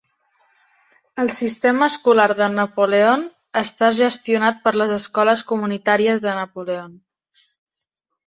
El sistema escolar de Napoleon està gestionat per les Escoles Comunitàries de Napoleon.